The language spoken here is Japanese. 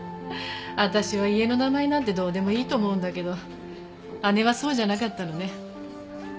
私は家の名前なんてどうでもいいと思うんだけど姉はそうじゃなかったのね。